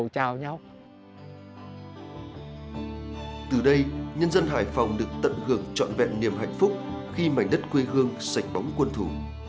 từ đây nhân dân hải phòng được tận hưởng trọn vẹn niềm hạnh phúc khi mảnh đất quê hương sạch bóng quân thủ